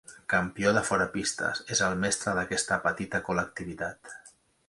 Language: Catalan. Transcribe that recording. Campió de fora pistes, és el mestre d'aquesta petita col·lectivitat.